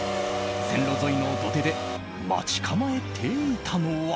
線路沿いの土手で待ち構えていたのは。